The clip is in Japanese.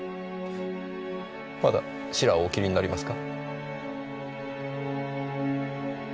まだシラをお切りになりますか？